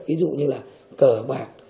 ví dụ như là cờ bạc